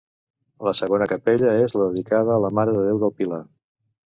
La segona capella és la dedicada a la mare de déu del Pilar.